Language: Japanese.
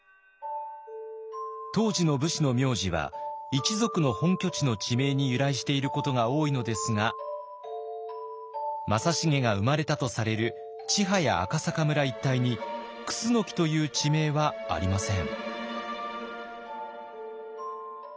当時の武士の名字は一族の本拠地の地名に由来していることが多いのですが正成が生まれたとされる千早赤阪村一帯に「楠木」という地名はありません。